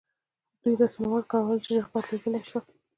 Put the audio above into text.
دوی داسې مواد کارول چې ژر بدلیدلی شول.